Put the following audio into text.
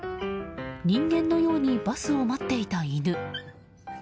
人間のようにバスを待っていた犬。